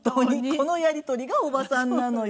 このやり取りがおばさんなのよ。